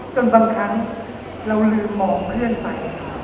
บางครั้งเราลืมมองเพื่อนไป